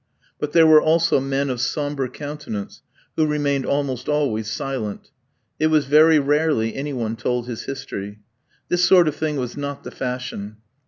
But there were also men of sombre countenance who remained almost always silent. It was very rarely any one told his history. This sort of thing was not the fashion.